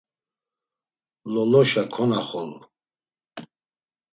Loloşa konaxolu.